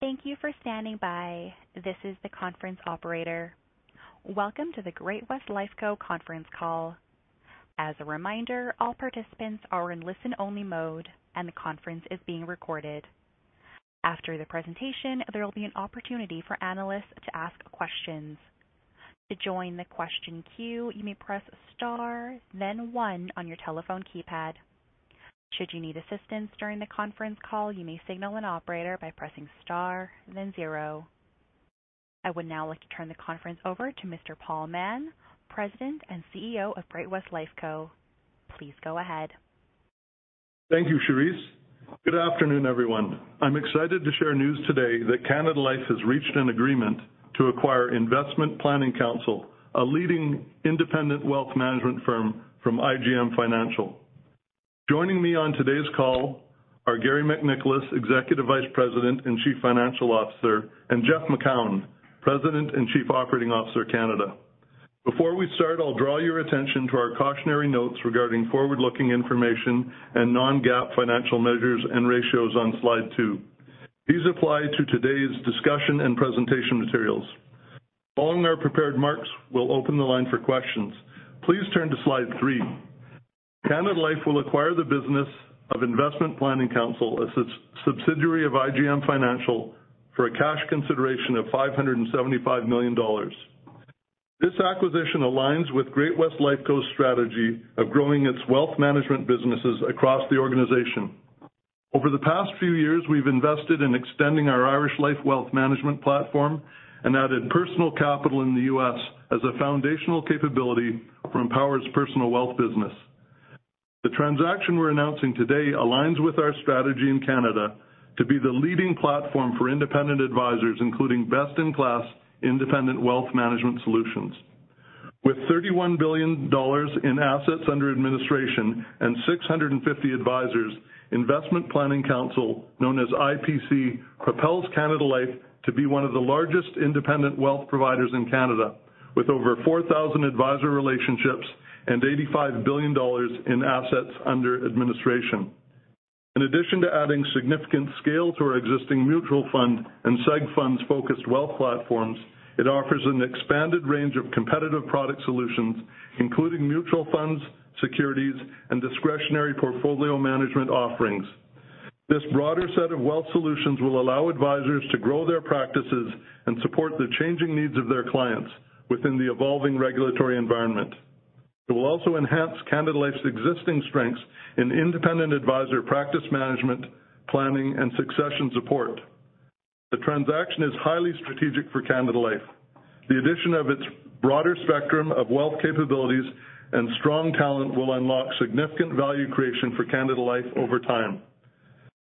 Thank you for standing by. This is the conference operator. Welcome to the Great-West Lifeco conference call. As a reminder, all participants are in listen only mode, and the conference is being recorded. After the presentation, there will be an opportunity for analysts to ask questions. To join the question queue, you may press star then one on your telephone keypad. Should you need assistance during the conference call, you may signal an operator by pressing star then zero. I would now like to turn the conference over to Mr. Paul Mahon, President and CEO of Great-West Lifeco. Please go ahead. Thank you, Charisse. Good afternoon, everyone. I'm excited to share news today that Canada Life has reached an agreement to acquire Investment Planning Counsel, a leading independent wealth management firm from IGM Financial. Joining me on today's call are Garry MacNicholas, Executive Vice President and Chief Financial Officer, and Jeff Macoun, President and Chief Operating Officer, Canada. Before we start, I'll draw your attention to our cautionary notes regarding forward-looking information and non-GAAP financial measures and ratios on slide two. These apply to today's discussion and presentation materials. Following our prepared remarks, we'll open the line for questions. Please turn to slide three. Canada Life will acquire the business of Investment Planning Counsel as its subsidiary of IGM Financial for a cash consideration of 575 million dollars. This acquisition aligns with Great-West Lifeco's strategy of growing its wealth management businesses across the organization. Over the past few years, we've invested in extending our Irish Life wealth management platform and added Personal Capital in the U.S. as a foundational capability from Power's personal wealth business. The transaction we're announcing today aligns with our strategy in Canada to be the leading platform for independent advisors, including best in class independent wealth management solutions. With 31 billion dollars in assets under administration and 650 advisors, Investment Planning Counsel, known as IPC, propels Canada Life to be one of the largest independent wealth providers in Canada with over 4,000 advisor relationships and 85 billion dollars in assets under administration. In addition to adding significant scale to our existing mutual fund and seg funds focused wealth platforms, it offers an expanded range of competitive product solutions, including mutual funds, securities, and discretionary portfolio management offerings. This broader set of wealth solutions will allow advisors to grow their practices and support the changing needs of their clients within the evolving regulatory environment. It will also enhance Canada Life's existing strengths in independent advisor practice management, planning, and succession support. The transaction is highly strategic for Canada Life. The addition of its broader spectrum of wealth capabilities and strong talent will unlock significant value creation for Canada Life over time.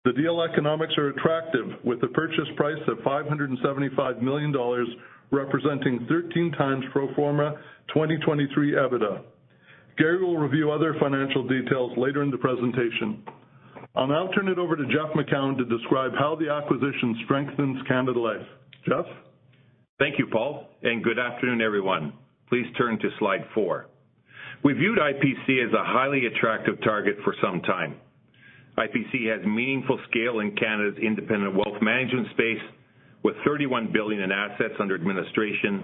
The deal economics are attractive, with a purchase price of 575 million dollars representing 13x pro forma 2023 EBITDA. Garry will review other financial details later in the presentation. I'll now turn it over to Jeff Macoun to describe how the acquisition strengthens Canada Life. Jeff? Thank you, Paul. Good afternoon, everyone. Please turn to slide four. We viewed IPC as a highly attractive target for some time. IPC has meaningful scale in Canada's independent wealth management space with 31 billion in assets under administration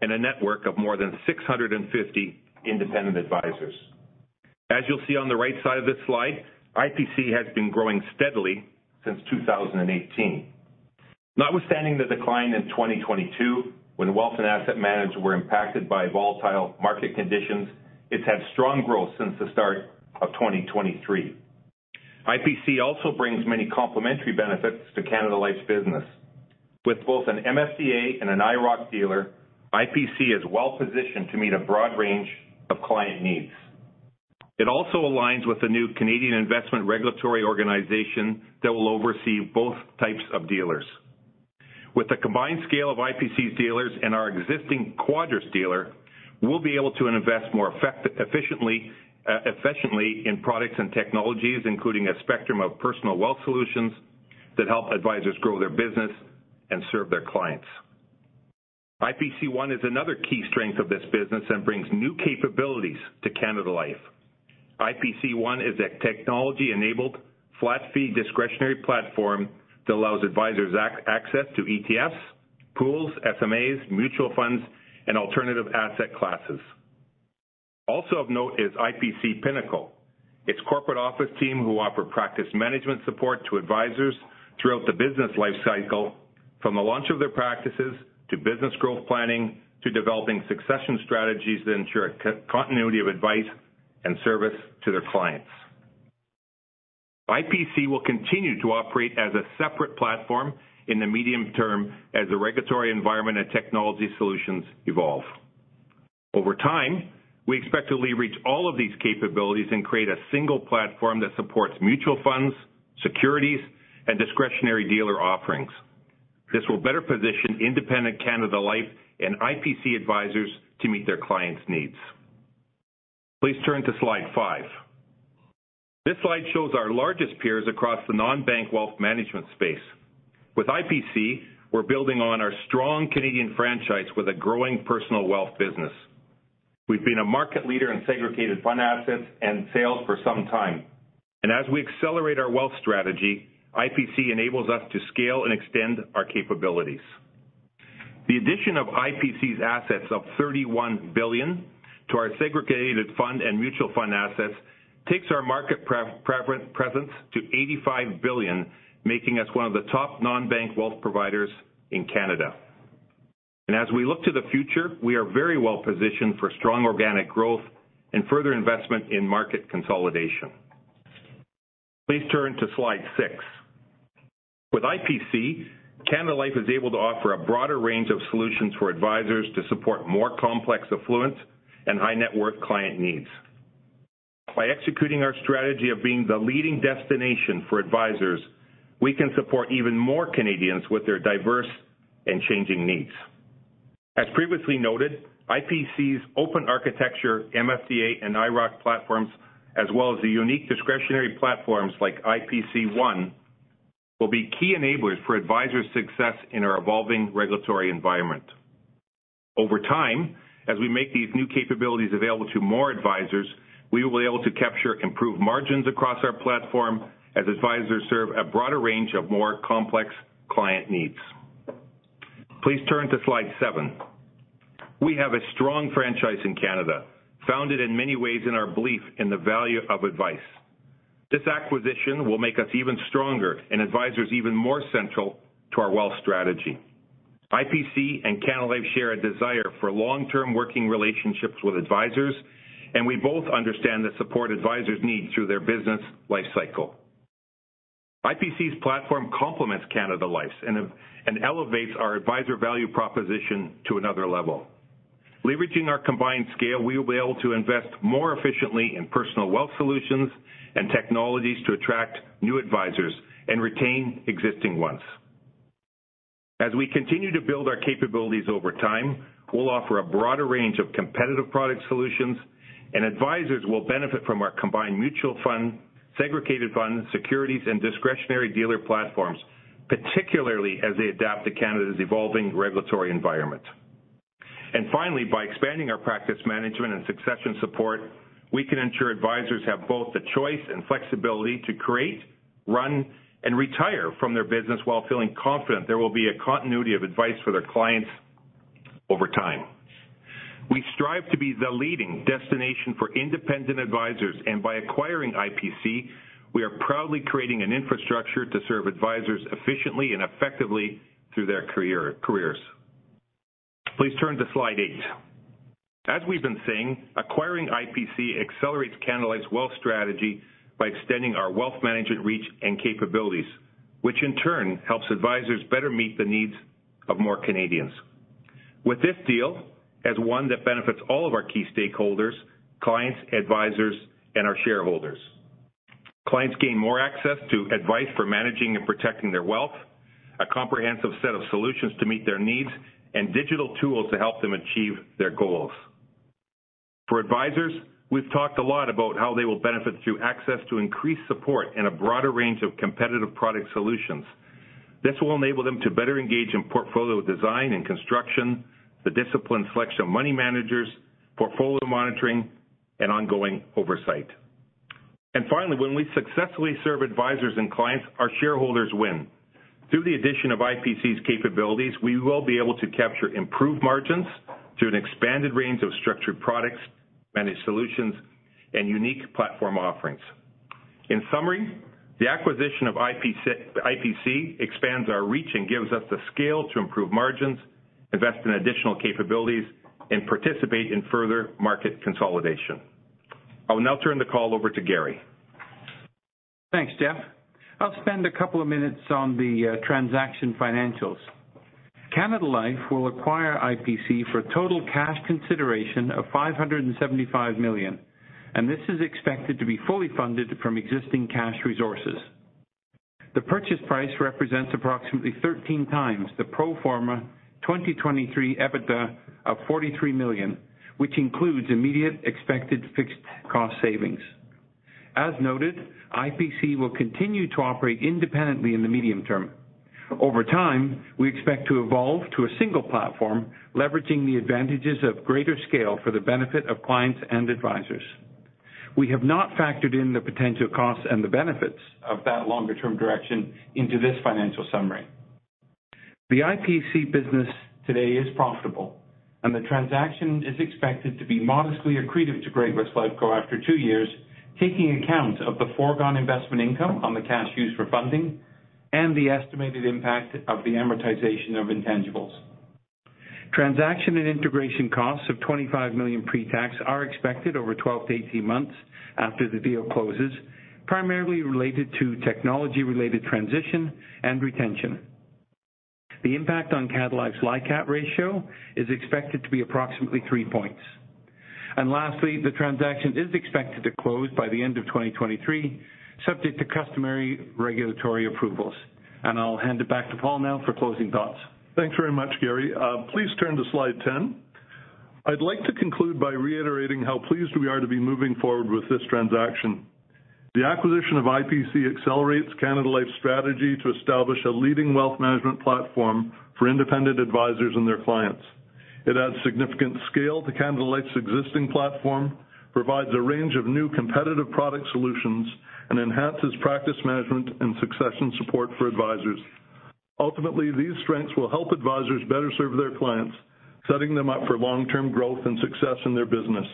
and a network of more than 650 independent advisors. As you'll see on the right side of this slide, IPC has been growing steadily since 2018. Notwithstanding the decline in 2022, when wealth and asset manage were impacted by volatile market conditions, it's had strong growth since the start of 2023. IPC also brings many complementary benefits to Canada Life's business. With both an MFDA and an IIROC dealer, IPC is well positioned to meet a broad range of client needs. It also aligns with the new Canadian Investment Regulatory Organization that will oversee both types of dealers. With the combined scale of IPC's dealers and our existing Quadrus dealer, we'll be able to invest more efficiently in products and technologies, including a spectrum of personal wealth solutions that help advisors grow their business and serve their clients. IPC One is another key strength of this business and brings new capabilities to Canada Life. IPC One is a technology enabled flat fee discretionary platform that allows advisors access to ETFs, pools, SMAs, mutual funds, and alternative asset classes. Of note is IPC Pinnacle. Its corporate office team who offer practice management support to advisors throughout the business life cycle from the launch of their practices, to business growth planning, to developing succession strategies to ensure continuity of advice and service to their clients. IPC will continue to operate as a separate platform in the medium term as the regulatory environment and technology solutions evolve. Over time, we expect to reach all of these capabilities and create a single platform that supports mutual funds, securities, and discretionary dealer offerings. This will better position independent Canada Life and IPC advisors to meet their clients' needs. Please turn to slide five. This slide shows our largest peers across the non-bank wealth management space. With IPC, we're building on our strong Canadian franchise with a growing personal wealth business. We've been a market leader in segregated fund assets and sales for some time. As we accelerate our wealth strategy, IPC enables us to scale and extend our capabilities. The addition of IPC's assets of 31 billion to our segregated fund and mutual fund assets takes our market presence to 85 billion, making us one of the top non-bank wealth providers in Canada. As we look to the future, we are very well positioned for strong organic growth and further investment in market consolidation. Please turn to slide six. With IPC, Canada Life is able to offer a broader range of solutions for advisors to support more complex affluents and high net worth client needs. By executing our strategy of being the leading destination for advisors, we can support even more Canadians with their diverse and changing needs. As previously noted, IPC's open architecture, MFDA, and IIROC platforms, as well as the unique discretionary platforms like IPC One, will be key enablers for advisor success in our evolving regulatory environment. Over time, as we make these new capabilities available to more advisors, we will be able to capture improved margins across our platform as advisors serve a broader range of more complex client needs. Please turn to slide seven. We have a strong franchise in Canada, founded in many ways in our belief in the value of advice. This acquisition will make us even stronger and advisors even more central to our wealth strategy. IPC and Canada Life share a desire for long-term working relationships with advisors, and we both understand the support advisors need through their business life cycle. IPC's platform complements Canada Life's and elevates our advisor value proposition to another level. Leveraging our combined scale, we will be able to invest more efficiently in personal wealth solutions and technologies to attract new advisors and retain existing ones. As we continue to build our capabilities over time, we'll offer a broader range of competitive product solutions, and advisors will benefit from our combined mutual fund, segregated fund, securities, and discretionary dealer platforms, particularly as they adapt to Canada's evolving regulatory environment. Finally, by expanding our practice management and succession support, we can ensure advisors have both the choice and flexibility to create, run, and retire from their business while feeling confident there will be a continuity of advice for their clients over time. We strive to be the leading destination for independent advisors, and by acquiring IPC, we are proudly creating an infrastructure to serve advisors efficiently and effectively through their careers. Please turn to slide eight. As we've been saying, acquiring IPC accelerates Canada Life's wealth strategy by extending our wealth management reach and capabilities, which in turn helps advisors better meet the needs of more Canadians. With this deal as one that benefits all of our key stakeholders, clients, advisors, and our shareholders. Clients gain more access to advice for managing and protecting their wealth, a comprehensive set of solutions to meet their needs, and digital tools to help them achieve their goals. For advisors, we've talked a lot about how they will benefit through access to increased support and a broader range of competitive product solutions. This will enable them to better engage in portfolio design and construction, the disciplined selection of money managers, portfolio monitoring, and ongoing oversight. Finally, when we successfully serve advisors and clients, our shareholders win. Through the addition of IPC's capabilities, we will be able to capture improved margins through an expanded range of structured products, managed solutions, and unique platform offerings. In summary, the acquisition of IPC expands our reach and gives us the scale to improve margins, invest in additional capabilities, and participate in further market consolidation. I will now turn the call over to Garry. Thanks, Jeff. I'll spend a couple of minutes on the transaction financials. Canada Life will acquire IPC for a total cash consideration of 575 million. This is expected to be fully funded from existing cash resources. The purchase price represents approximately 13x the pro forma 2023 EBITDA of 43 million, which includes immediate expected fixed cost savings. As noted, IPC will continue to operate independently in the medium term. Over time, we expect to evolve to a single platform, leveraging the advantages of greater scale for the benefit of clients and advisors. We have not factored in the potential costs and the benefits of that longer-term direction into this financial summary. The IPC business today is profitable, and the transaction is expected to be modestly accretive to Great-West Lifeco after two years, taking account of the foregone investment income on the cash used for funding and the estimated impact of the amortization of intangibles. Transaction and integration costs of 25 million pre-tax are expected over 12 to 18 months after the deal closes, primarily related to technology-related transition and retention. The impact on Canada Life's LICAT ratio is expected to be approximately 3 points. Lastly, the transaction is expected to close by the end of 2023, subject to customary regulatory approvals. I'll hand it back to Paul now for closing thoughts. Thanks very much, Garry. Please turn to slide 10. I'd like to conclude by reiterating how pleased we are to be moving forward with this transaction. The acquisition of IPC accelerates Canada Life's strategy to establish a leading wealth management platform for independent advisors and their clients. It adds significant scale to Canada Life's existing platform, provides a range of new competitive product solutions, and enhances practice management and succession support for advisors. Ultimately, these strengths will help advisors better serve their clients, setting them up for long-term growth and success in their business.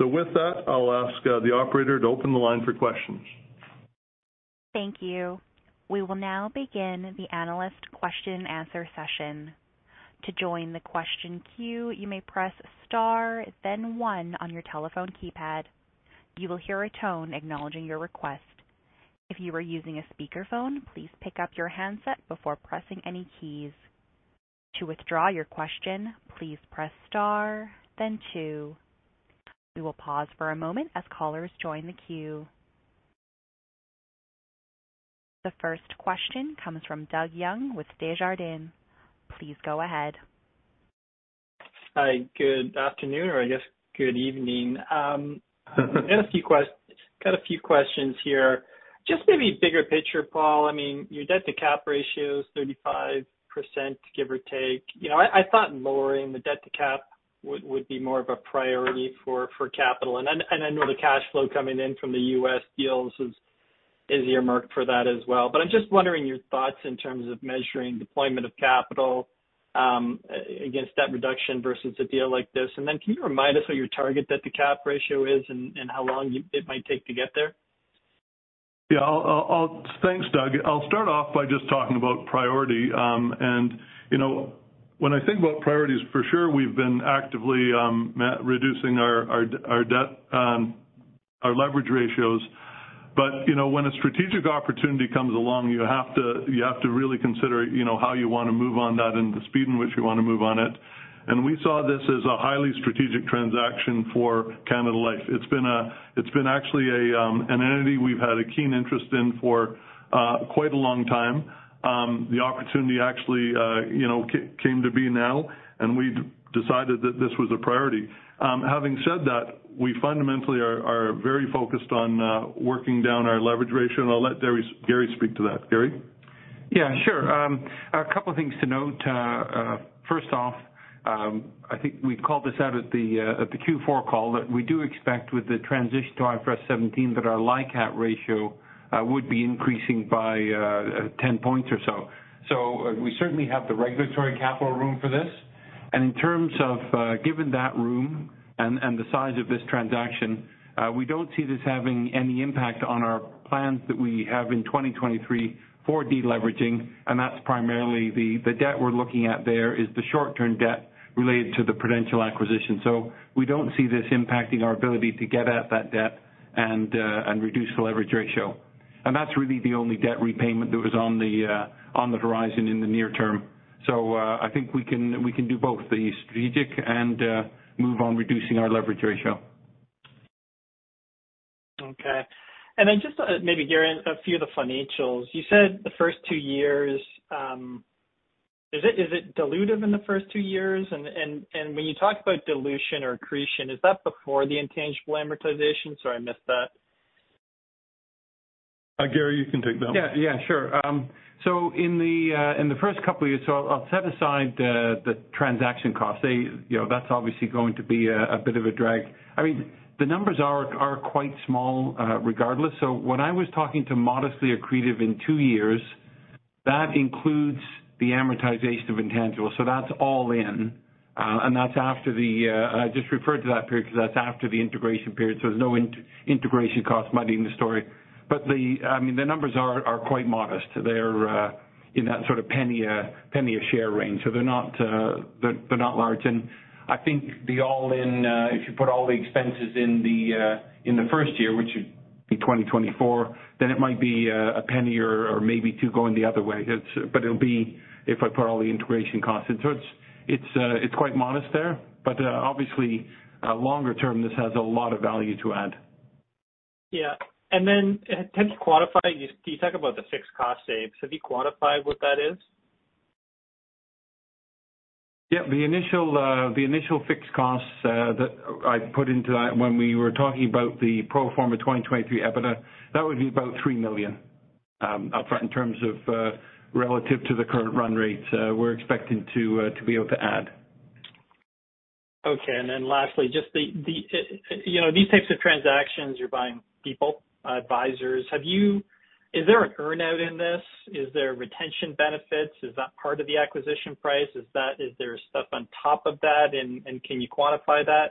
With that, I'll ask the operator to open the line for questions. Thank you. We will now begin the analyst question-answer session. To join the question queue, you may press star then one on your telephone keypad. You will hear a tone acknowledging your request. If you are using a speakerphone, please pick up your handset before pressing any keys. To withdraw your question, please press star then two. We will pause for a moment as callers join the queue. The first question comes from Doug Young with Desjardins Capital Markets. Please go ahead. Hi, good afternoon or I guess good evening. I got a few questions here. Just maybe bigger picture, Paul. I mean, your debt-to-cap ratio is 35%, give or take. You know, I thought lowering the debt-to-cap would be more of a priority for capital. I know the cash flow coming in from the U.S. deals is earmarked for that as well. I'm just wondering your thoughts in terms of measuring deployment of capital against debt reduction versus a deal like this. Can you remind us what your target debt-to-cap ratio is and how long it might take to get there? Yeah. I'll Thanks, Doug. I'll start off by just talking about priority. You know, when I think about priorities, for sure we've been actively reducing our debt, our leverage ratios. You know, when a strategic opportunity comes along, you have to really consider, you know, how you wanna move on that and the speed in which you want to move on it. We saw this as a highly strategic transaction for Canada Life. It's been actually an entity we've had a keen interest in for quite a long time. The opportunity actually, you know, came to be now, we decided that this was a priority. Having said that, we fundamentally are very focused on working down our leverage ratio, and I'll let Garry speak to that. Garry? Yeah, sure. A couple of things to note. First off, I think we called this out at the Q4 call, that we do expect with the transition to IFRS 17 that our LICAT ratio would be increasing by 10 points or so. We certainly have the regulatory capital room for this. In terms of, given that room and the size of this transaction, we don't see this having any impact on our plans that we have in 2023 for deleveraging, and that's primarily the debt we're looking at there is the short-term debt related to the Prudential acquisition. We don't see this impacting our ability to get at that debt and reduce the leverage ratio. That's really the only debt repayment that was on the horizon in the near term. I think we can, we can do both the strategic and move on reducing our leverage ratio. Okay. Just maybe Garry, a few of the financials. You said the first two years, is it dilutive in the first two years? When you talk about dilution or accretion, is that before the intangible amortization? Sorry, I missed that. Garry, you can take that one. Yeah, yeah, sure. In the first couple of years, I'll set aside the transaction costs. They, you know, that's obviously going to be a bit of a drag. I mean, the numbers are quite small, regardless. When I was talking to modestly accretive in two years, that includes the amortization of intangibles. That's all in. That's after the, I just referred to that period because that's after the integration period, there's no integration cost money in the story. The, I mean, the numbers are quite modest. They're in that sort of penny a share range. They're not large. I think the all-in, if you put all the expenses in the first year, which would be 2024, then it might be CAD 0.01 or maybe 0.02 going the other way. It'll be if I put all the integration costs in. It's quite modest there. Obviously, longer term, this has a lot of value to add. Yeah. Then can you quantify, you talk about the fixed cost save. Be quantified what that is? Yeah. The initial fixed costs that I put into that when we were talking about the pro forma 2023 EBITDA, that would be about 3 million upfront in terms of relative to the current run rates, we're expecting to be able to add. Okay. Lastly, just the, you know, these types of transactions, you're buying people, advisors. Is there an earn-out in this? Is there retention benefits? Is that part of the acquisition price? Is there stuff on top of that, and can you quantify that?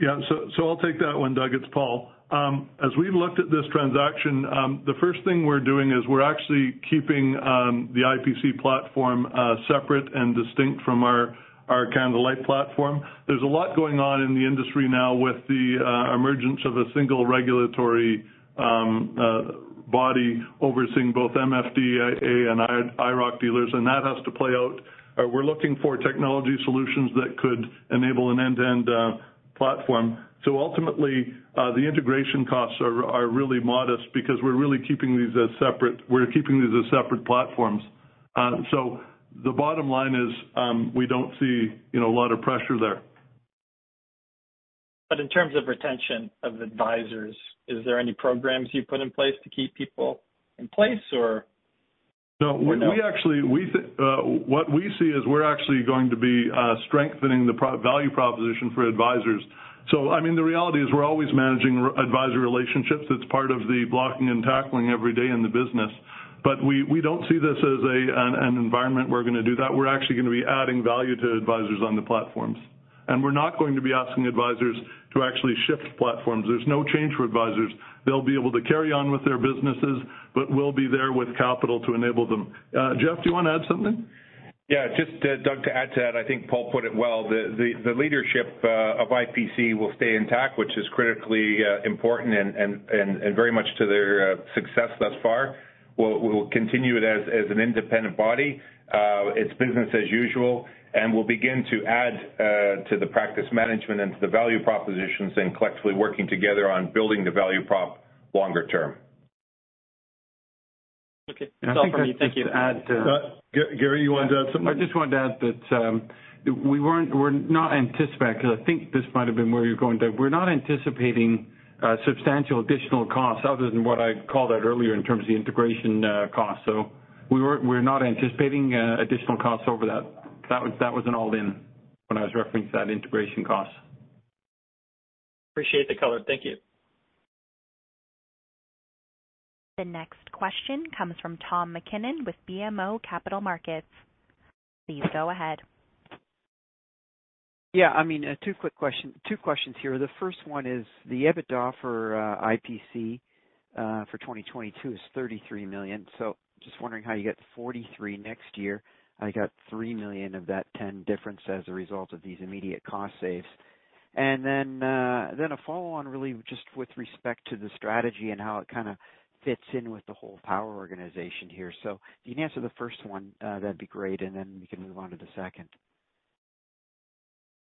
Yeah. I'll take that one, Doug. It's Paul. As we looked at this transaction, the first thing we're doing is we're actually keeping the IPC platform separate and distinct from our Canada Life platform. There's a lot going on in the industry now with the emergence of a single regulatory body overseeing both MFDA and IIROC dealers, and that has to play out. We're looking for technology solutions that could enable an end-to-end platform. Ultimately, the integration costs are really modest because we're really keeping these as separate. We're keeping these as separate platforms. The bottom line is, we don't see, you know, a lot of pressure there. In terms of retention of advisors, is there any programs you put in place to keep people in place or? No. no? We actually what we see is we're actually going to be strengthening the value proposition for advisors. I mean, the reality is we're always managing advisor relationships. It's part of the blocking and tackling every day in the business. We don't see this as an environment we're gonna do that. We're actually gonna be adding value to advisors on the platforms. We're not going to be asking advisors to actually shift platforms. There's no change for advisors. They'll be able to carry on with their businesses, but we'll be there with capital to enable them. Jeff, do you wanna add something? Yeah. Just Doug, to add to that, I think Paul put it well. The leadership of IPC will stay intact, which is critically important and very much to their success thus far. We'll continue it as an independent body. It's business as usual, and we'll begin to add to the practice management and to the value propositions and collectively working together on building the value prop longer term. Okay. That's all from me. Thank you. I think I'd just add- Garry, you wanted to add something? I just wanted to add that 'cause I think this might have been where you're going, Doug. We're not anticipating substantial additional costs other than what I called out earlier in terms of the integration costs. We're not anticipating additional costs over that. That was an all in when I was referencing that integration cost. Appreciate the color. Thank you. The next question comes from Tom MacKinnon with BMO Capital Markets. Please go ahead. Yeah. I mean, two questions here. The first one is the EBITDA for IPC for 2022 is 33 million. Just wondering how you get 43 million next year. I got 3 million of that 10 million difference as a result of these immediate cost saves. Then a follow on really just with respect to the strategy and how it kinda fits in with the whole Power organization here. If you can answer the first one, that'd be great, and then we can move on to the second.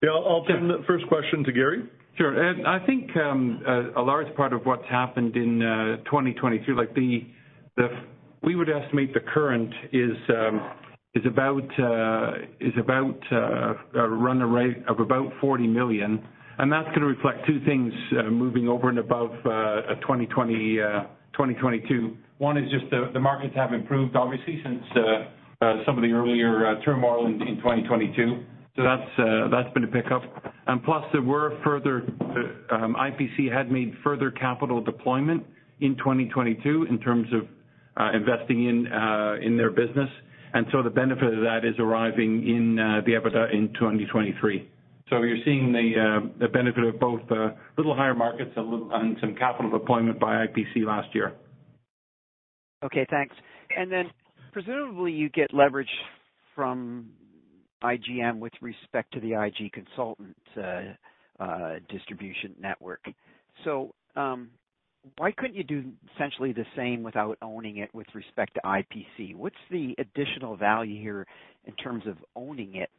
Yeah. I'll turn the first question to Garry. Sure. I think, a large part of what's happened in 2022, like we would estimate the current is about a run rate of about 40 million, and that's gonna reflect two things moving over and above 2022. One is just the markets have improved obviously since some of the earlier turmoil in 2022. That's been a pickup. Plus, there were further, IPC had made further capital deployment in 2022 in terms of investing in their business. The benefit of that is arriving in the EBITDA in 2023. You're seeing the benefit of both little higher markets and a little, and some capital deployment by IPC last year. Okay, thanks. Presumably, you get leverage from IGM with respect to the IG consultant distribution network. Why couldn't you do essentially the same without owning it with respect to IPC? What's the additional value here in terms of owning it?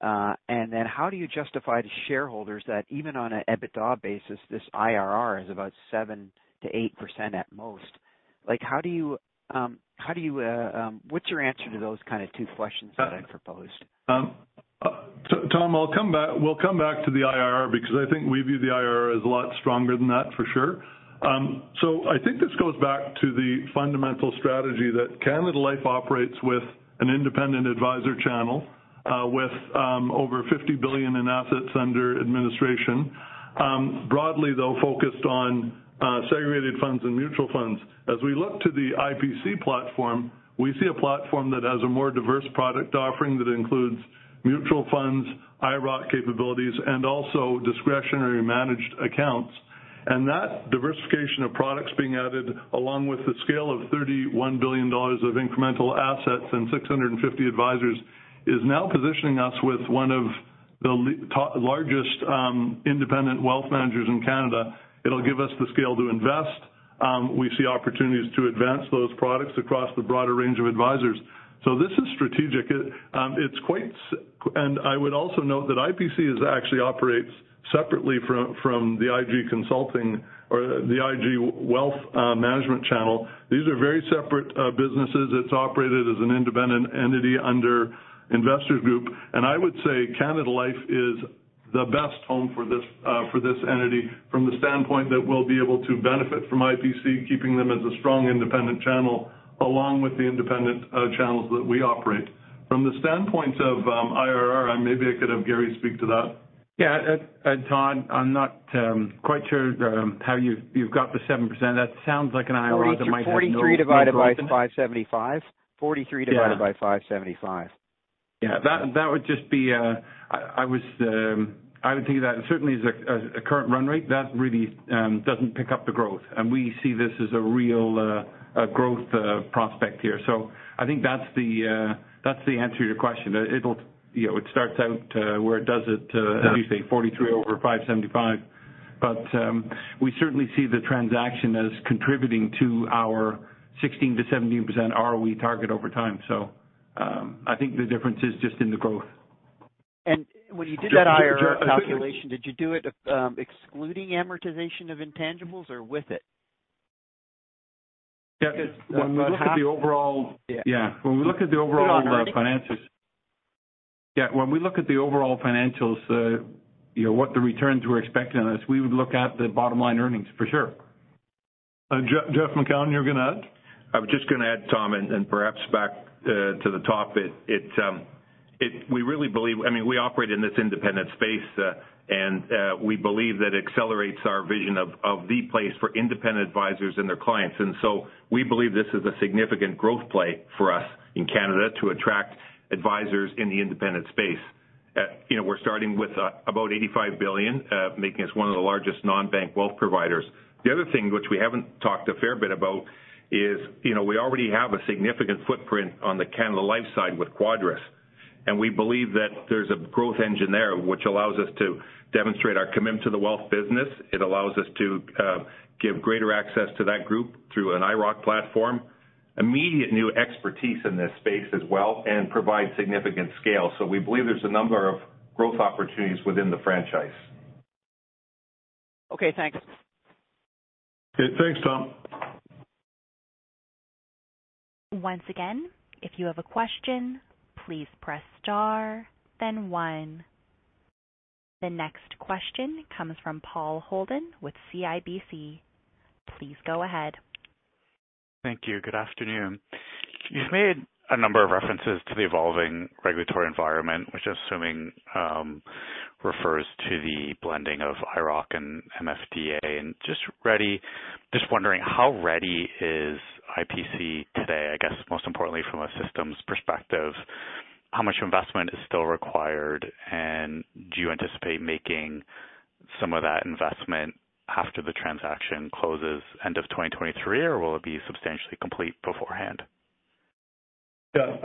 How do you justify to shareholders that even on a EBITDA basis, this IRR is about 7%-8% at most? Like, how do you, what's your answer to those kind of two questions that I proposed? Tom, I'll come back, we'll come back to the IRR because I think we view the IRR as a lot stronger than that for sure. I think this goes back to the fundamental strategy that Canada Life operates with an independent advisor channel, with over 50 billion in assets under administration. Broadly, though, focused on segregated funds and mutual funds. As we look to the IPC platform, we see a platform that has a more diverse product offering that includes mutual funds, IIROC capabilities, and also discretionary managed accounts. That diversification of products being added, along with the scale of 31 billion dollars of incremental assets and 650 advisors, is now positioning us with one of the largest independent wealth managers in Canada. It'll give us the scale to invest. We see opportunities to advance those products across the broader range of advisors. This is strategic. It's quite and I would also note that IPC is actually operates separately from the IG consulting or the IG Wealth Management channel. These are very separate businesses. It's operated as an independent entity under Investors Group. I would say Canada Life is the best home for this for this entity from the standpoint that we'll be able to benefit from IPC, keeping them as a strong independent channel, along with the independent channels that we operate. From the standpoint of IRR, and maybe I could have Garry speak to that. Tom, I'm not quite sure how you've got the 7%. That sounds like an IRR that might have no growth in it. Well, it's the 43 divided by 575. 43 divided by 575. Yeah. Yeah. That would just be, I would think that certainly is a current run rate. That really doesn't pick up the growth. We see this as a real growth prospect here. I think that's the answer to your question. It'll, you know, it starts out where it does at, as you say, 43 over 575. We certainly see the transaction as contributing to our 16% to 17% ROE target over time. I think the difference is just in the growth. When you did that IRR calculation, did you do it, excluding amortization of intangibles or with it? Yeah. When we look at the overall financials, you know, what the returns we're expecting on this, we would look at the bottom line earnings, for sure. Jeff Macoun, you were gonna add? I was just gonna add, Tom, and perhaps back to the top, we really believe. I mean, we operate in this independent space, and we believe that accelerates our vision of the place for independent advisors and their clients. We believe this is a significant growth play for us in Canada to attract advisors in the independent space. You know, we're starting with about 85 billion, making us one of the largest non-bank wealth providers. The other thing which we haven't talked a fair bit about is, you know, we already have a significant footprint on the Canada Life side with Quadrus, and we believe that there's a growth engine there which allows us to demonstrate our commitment to the wealth business. It allows us to give greater access to that group through an IIROC platform. Immediate new expertise in this space as well and provide significant scale. We believe there's a number of growth opportunities within the franchise. Okay, thanks. Okay. Thanks, Tom. Once again, if you have a question, please press star then one. The next question comes from Paul Holden with CIBC. Please go ahead. Thank you. Good afternoon. You've made a number of references to the evolving regulatory environment, which I'm assuming refers to the blending of IIROC and MFDA. Just wondering how ready is IPC today, I guess most importantly from a systems perspective, how much investment is still required? Do you anticipate making some of that investment after the transaction closes end of 2023, or will it be substantially complete beforehand? Yeah.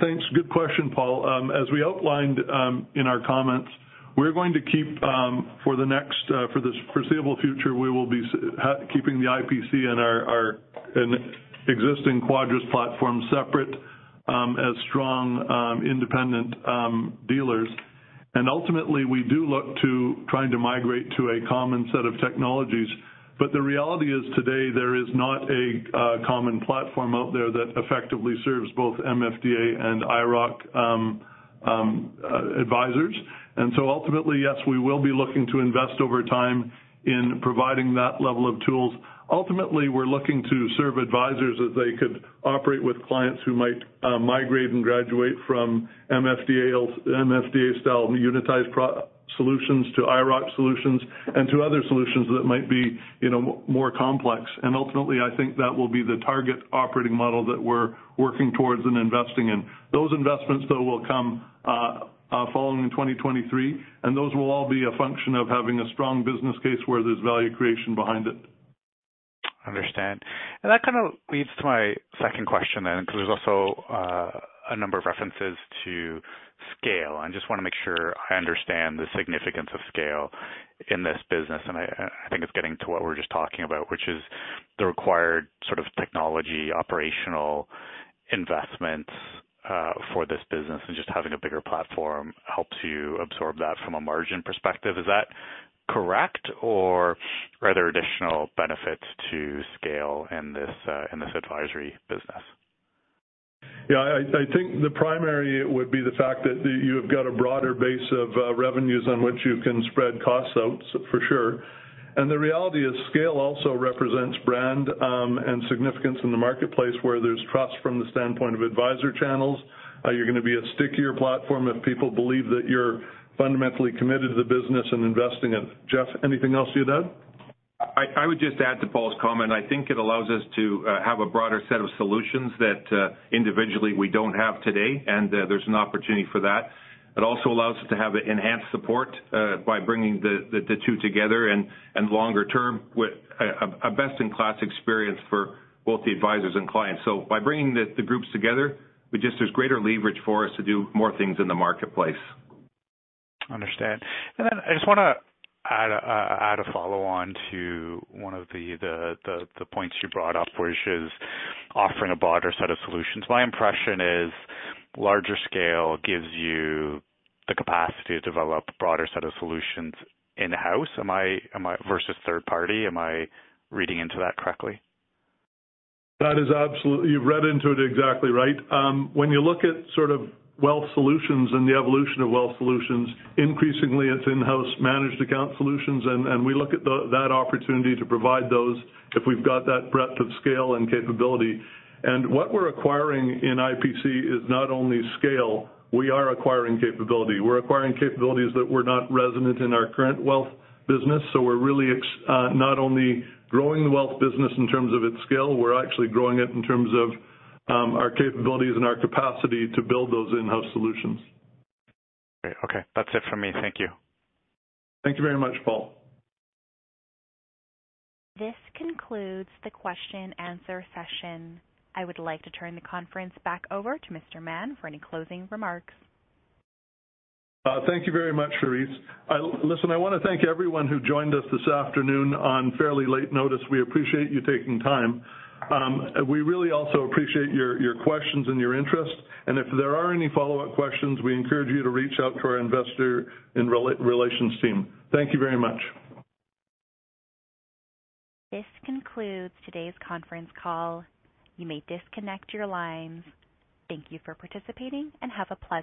Thanks. Good question, Paul. As we outlined in our comments, we're going to keep for the next for the foreseeable future, we will be keeping the IPC and our, and existing Quadrus platform separate as strong, independent, dealers. Ultimately, we do look to trying to migrate to a common set of technologies. The reality is today there is not a common platform out there that effectively serves both MFDA and IIROC advisors. Ultimately, yes, we will be looking to invest over time in providing that level of tools. Ultimately, we're looking to serve advisors that they could operate with clients who might migrate and graduate from MFDA-style unitized solutions to IIROC solutions and to other solutions that might be, you know, more complex. Ultimately, I think that will be the target operating model that we're working towards and investing in. Those investments, though, will come following in 2023, and those will all be a function of having a strong business case where there's value creation behind it. Understand. That kind of leads to my second question then, because there's also, a number of references to scale, and I just want to make sure I understand the significance of scale in this business. I think it's getting to what we were just talking about, which is the required sort of technology, operational investments, for this business and just having a bigger platform help to absorb that from a margin perspective. Is that correct, or are there additional benefits to scale in this, in this advisory business? Yeah, I think the primary would be the fact that you've got a broader base of revenues on which you can spread costs out, for sure. The reality is scale also represents brand and significance in the marketplace where there's trust from the standpoint of advisor channels. You're gonna be a stickier platform if people believe that you're fundamentally committed to the business and investing in. Jeff, anything else you'd add? I would just add to Paul's comment. I think it allows us to have a broader set of solutions that individually we don't have today, and there's an opportunity for that. It also allows us to have enhanced support by bringing the two together and longer term with a best-in-class experience for both the advisors and clients. By bringing the groups together, there's greater leverage for us to do more things in the marketplace. Understand. Then I just wanna add a follow-on to one of the points you brought up, which is offering a broader set of solutions. My impression is larger scale gives you the capacity to develop a broader set of solutions in-house versus third party. Am I reading into that correctly? That is absolutely. You've read into it exactly right. When you look at sort of wealth solutions and the evolution of wealth solutions, increasingly it's in-house managed account solutions, and we look at that opportunity to provide those if we've got that breadth of scale and capability. What we're acquiring in IPC is not only scale, we are acquiring capability. We're acquiring capabilities that were not resonant in our current wealth business. We're really not only growing the wealth business in terms of its scale, we're actually growing it in terms of our capabilities and our capacity to build those in-house solutions. Okay. That's it for me. Thank you. Thank you very much, Paul. This concludes the question and answer session. I would like to turn the conference back over to Mr. Mahon for any closing remarks. Thank you very much, Charisse. Listen, I wanna thank everyone who joined us this afternoon on fairly late notice. We appreciate you taking time. We really also appreciate your questions and your interest. If there are any follow-up questions, we encourage you to reach out to our investor and relations team. Thank you very much. This concludes today's conference call. You may disconnect your lines. Thank you for participating, and have a pleasant day.